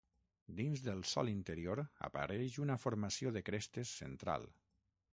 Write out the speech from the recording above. Dins del sòl interior apareix una formació de crestes central.